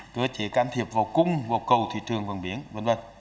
cơ chế can thiệp vào cung vào cầu thị trường vàng miếng